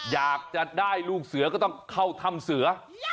อยากจะได้ลูกเสือก็ต้องเข้าถ้ำเสือ